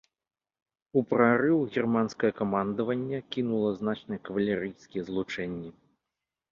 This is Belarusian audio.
У прарыў германскае камандаванне кінула значныя кавалерыйскія злучэнні.